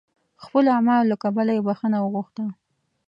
خپلو اعمالو له کبله یې بخښنه وغوښته.